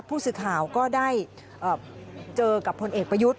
ผู้สื่อข่าวก็ได้เจอกับพลเอกประยุทธ์